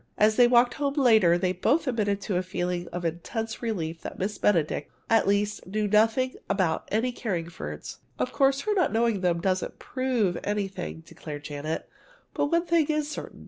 As they walked home later they both admitted to a feeling of intense relief that Miss Benedict, at least, knew nothing about any Carringfords. "Of course, her not knowing them doesn't prove anything," declared Janet. "But one thing is certain.